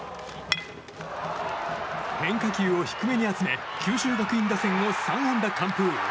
変化球を低めに集め九州学院打線を３安打完封。